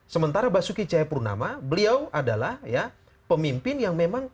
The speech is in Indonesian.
sementara basuki jayapurnama beliau adalah pemimpin yang memang